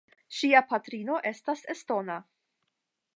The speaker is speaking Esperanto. Ŝia patrino estas estona.